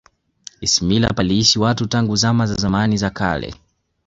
ismila paliishi watu tangu zama za zamani za kale